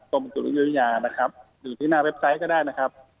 กรมสุริยุยานะครับอยู่ที่หน้าเว็บไซต์ก็ได้นะครับ